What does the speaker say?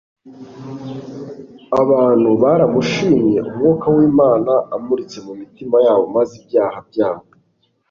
abantu baramushimye, Umwuka w'Imana amuritse mu mitima yabo maze ibyaha byabo